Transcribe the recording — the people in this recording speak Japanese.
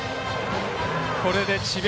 これで智弁